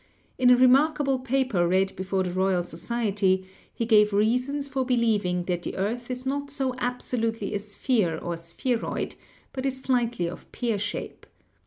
In a remarkable paper read before the Royal Society he gave reasons for believing that the earth is not so absolutely a sphere or spheroid, but is slightly of pear shape.